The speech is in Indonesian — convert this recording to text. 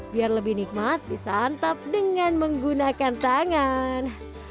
biar lebih nikmat bisa antap dengan menggunakan tangan